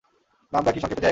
নামটা কি সংক্ষেপে জ্যাক?